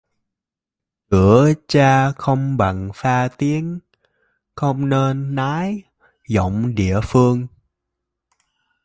Chửi cha không bằng pha tiếng: không nên nhái giọng địa phương